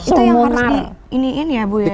itu yang harus di iniin ya bu ya